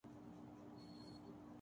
دیکھ کر تجھ کو ، چمن بسکہ نُمو کرتا ہے